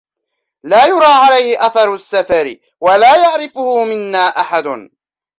لا يُرَى عَلَيْهِ أَثَرُ السَّفَرِ، وَلا يَعْرِفُهُ مِنَّا أَحَدٌ،